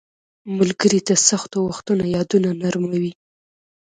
• ملګري د سختو وختونو یادونه نرموي.